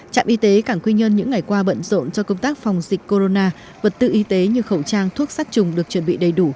trạm y tế cảng quy nhơn những ngày qua bận rộn cho công tác phòng dịch corona vật tự y tế như khẩu trang thuốc sát trùng được chuẩn bị đầy đủ